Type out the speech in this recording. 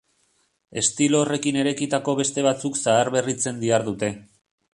Estilo horrekin eraikitako beste batzuk zaharberritzen dihardute.